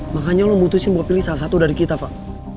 makanya lo membutuhkan gue pilih salah satu dari kita fak